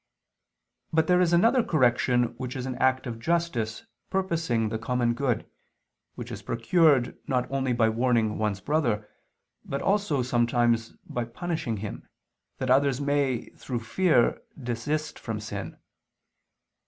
But there is another correction which is an act of justice purposing the common good, which is procured not only by warning one's brother, but also, sometimes, by punishing him, that others may, through fear, desist from sin.